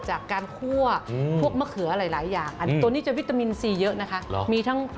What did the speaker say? จานยังไงค่ะ